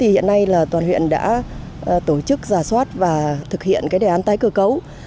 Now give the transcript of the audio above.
hiện nay toàn huyện đã tổ chức giả soát và thực hiện đề án tái cơ cấu